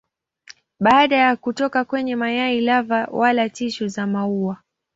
Baada ya kutoka kwenye mayai lava wala tishu za maua.